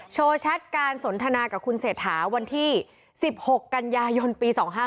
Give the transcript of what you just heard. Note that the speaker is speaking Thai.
โชว์แชทการสนทนากับคุณเสถาวันที่๑๖กันยายนปี๒๕๖๕